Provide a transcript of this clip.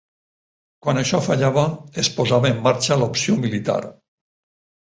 Quan això fallava, es posava en marxa l'opció militar.